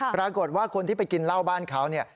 ปรากฏว่าคนที่ไปกินเหล้าบ้านเขาเนี่ย